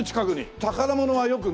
宝物はよくね